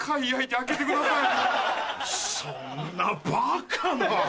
そんなバカな！